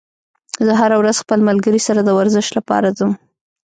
زه هره ورځ خپل ملګري سره د ورزش لپاره ځم